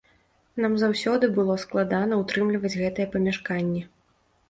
Нам заўсёды было складана ўтрымліваць гэтае памяшканне.